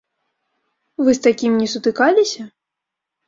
Вы з такім не сутыкаліся?